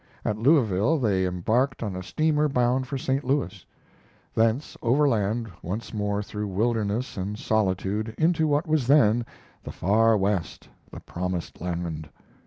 At Louisville they embarked on a steamer bound for St. Louis; thence overland once more through wilderness and solitude into what was then the Far West, the promised land.